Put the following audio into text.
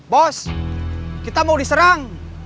bos kita mau diserang